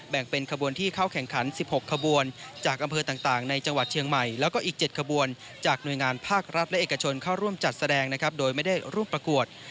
แบ่งเป็นขบวนที่เข้าแข่งขัน๑๖ขบวนจากอำเภอต่างในจังหวัดเชียงใหม่แล้วก็อีก๗ขบวนจากหน่วยงานภาครัฐและเอกชนเข้าร่วมจัดแสดงนะครับโดยไม่ได้ร่วมประกวด